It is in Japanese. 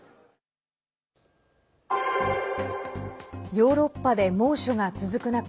ヨーロッパで猛暑が続く中